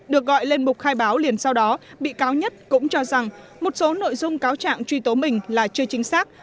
được gọi lên mục khai báo liền sau đó bị cáo nhất cũng cho rằng một số nội dung cáo trạng truy tố mình là chưa chính xác